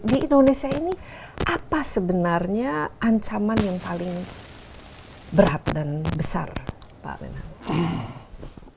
di indonesia ini apa sebenarnya ancaman yang paling berat dan besar pak menhan